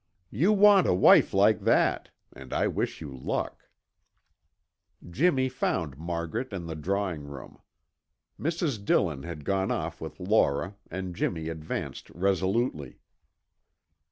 You want a wife like that, and I wish you luck!" Jimmy found Margaret in the drawing room. Mrs. Dillon had gone off with Laura, and Jimmy advanced resolutely.